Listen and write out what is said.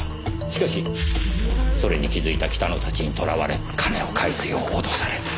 しかしそれに気づいた北野たちに捕らわれ金を返すよう脅された。